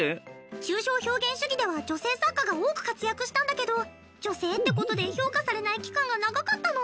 抽象表現主義では女性作家が多く活躍したんだけど女性ってことで評価されない期間が長かったの。